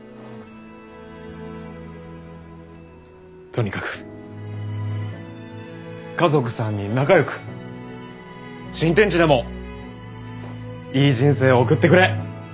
とにかく家族３人仲よく新天地でもいい人生を送ってくれ。